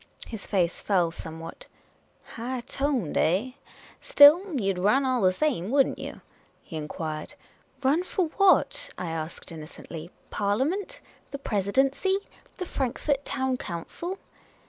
His face fell some what. " High toned, eh? Still, you 'd run all the same, would n't you ?" he inquired. "Run for what?" I asked, innocently. "Parliament? The Presidency ? The Frankfort Town Council